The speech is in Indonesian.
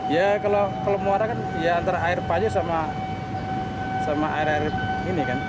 ya kalau muara kan ya antara air pajak sama air air ini kan